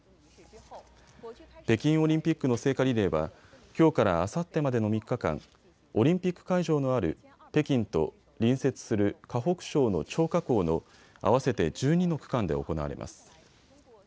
北京オリンピックの聖火リレーはきょうからあさってまでの３日間、オリンピック会場のある北京と隣接する河北省の張家口の合わせて１２の区間で行われます。